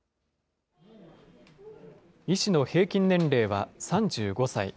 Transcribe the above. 医師の平均年齢は３５歳。